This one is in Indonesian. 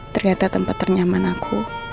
ternyata tempat ternyaman aku